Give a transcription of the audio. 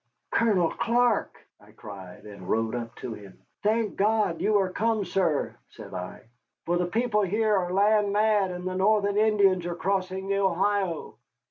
"Colonel Clark!" I cried, and rode up to him. "Thank God you are come, sir," said I, "for the people here are land mad, and the Northern Indians are crossing the Ohio."